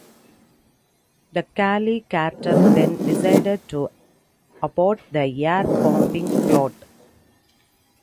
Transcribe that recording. The Cali Cartel then decided to abort the air bombing plot.